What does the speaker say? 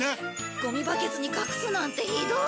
ゴミバケツに隠すなんてひどい！